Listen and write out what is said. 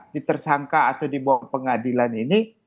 detersangka atau dibawa ke pengadilan ini